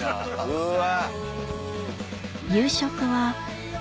うわ。